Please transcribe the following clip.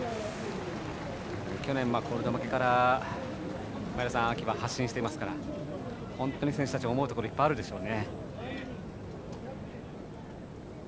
去年のコールド負けから秋は発進していますから本当に選手たちは思うところがあるでしょう。